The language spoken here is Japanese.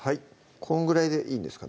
こんぐらいでいいんですか？